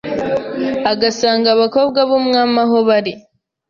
agasanga abakobwa b’umwami aho bari